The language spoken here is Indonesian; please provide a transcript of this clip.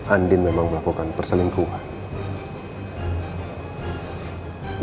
andi memang melakukan perselingkuhan